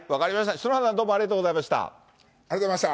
篠原さん、どうもありがとうござありがとうございました。